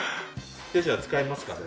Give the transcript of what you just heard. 手品に使えますかね。